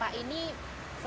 lalu kemudian ada pengumuman